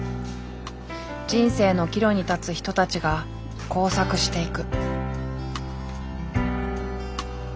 人生の岐路に立つ人たちが交錯していく。